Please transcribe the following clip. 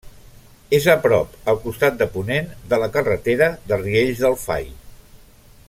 És a prop, al costat de ponent, de la carretera de Riells del Fai.